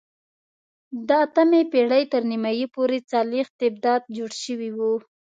د اتمې پېړۍ تر نیمايي پورې څلوېښت ابدات جوړ شوي وو.